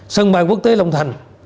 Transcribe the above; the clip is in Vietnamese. sân bay quốc tế long thành